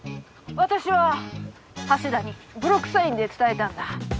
私は橋田にブロックサインで伝えたんだ。